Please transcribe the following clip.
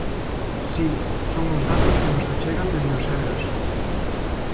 Si, son os datos que nos achegan dende o Sergas.